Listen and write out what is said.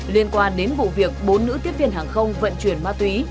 liên quan đến vụ việc bốn nữ tiếp viên hàng không vận chuyển ma túy